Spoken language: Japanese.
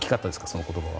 その言葉は。